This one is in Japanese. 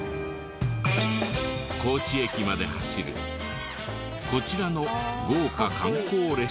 高知駅まで走るこちらの豪華観光列車で。